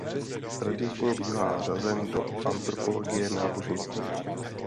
Tradičně bývá řazena do antropologie náboženství.